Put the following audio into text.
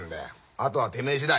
あとはてめえ次第。